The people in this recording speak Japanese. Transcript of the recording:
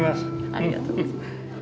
ありがとうございます。